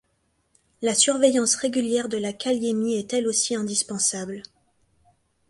La surveillance régulière de la kaliémie est elle aussi indispensable.